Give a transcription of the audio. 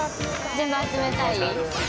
全部集めたい。